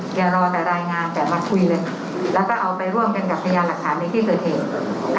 อย่ารอแต่รายงานแต่มาคุยเลยแล้วก็เอาไปร่วมกันกับพยานหลักฐานในที่เกิดเหตุ